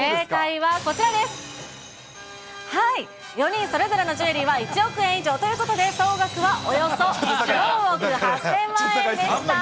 はい、４人それぞれのジュエリーは１億円以上ということで、総額はおよそ４億８０００万円でした。